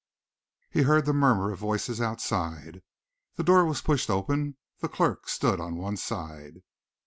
He heard the murmur of voices outside. The door was pushed open. The clerk stood on one side.